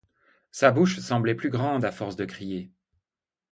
Sa bouche semblait plus grande, à force de crier.